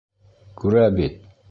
Күрә бит!